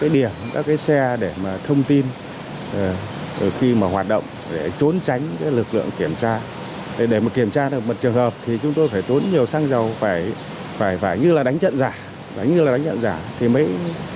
điểm ẩn nấp như thế này